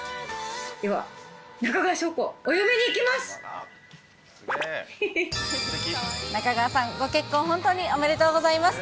では中川翔子、お嫁にいきま中川さん、ご結婚、本当におめでとうございます。